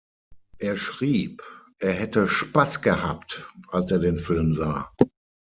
Er schrieb, er hätte Spaß gehabt, als er den Film sah.